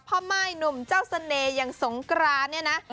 ม่ายหนุ่มเจ้าเสน่ห์อย่างสงกรานเนี่ยนะ